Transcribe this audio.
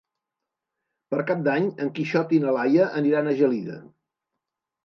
Per Cap d'Any en Quixot i na Laia aniran a Gelida.